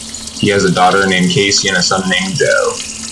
He has a daughter named Casey and a son named Joe.